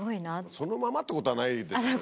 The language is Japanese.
そのままってことはないでしょう。